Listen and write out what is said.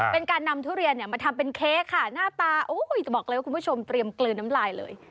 เป็นการนำทุเรียนเนี่ยมาทำเป็นเค้กค่ะหน้าตาจะบอกเลยว่าคุณผู้ชมเตรียมกลืนน้ำลายเลย